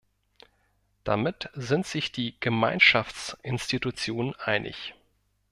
Damit sind sich die Gemeinschaftsinstitutionen einig.